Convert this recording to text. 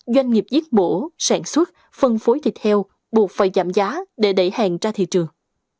doanh nghiệp giết bổ sản xuất phân phối thịt heo buộc phải giảm giá để đẩy hàng ra thị trường